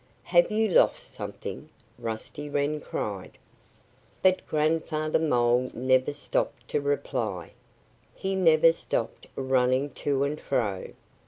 "Have you lost something?" Rusty Wren cried. But Grandfather Mole never stopped to reply. He never stopped running to and fro.